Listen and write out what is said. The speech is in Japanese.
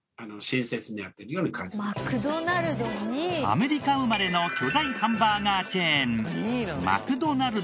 アメリカ生まれの巨大ハンバーガーチェーン。